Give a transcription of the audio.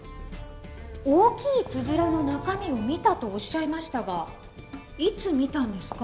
大きいつづらの中身を見たとおっしゃいましたがいつ見たんですか？